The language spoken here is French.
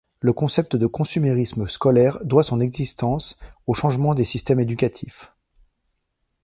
Le concept de consumérisme scolaire doit son existence aux changements des systèmes éducatifs.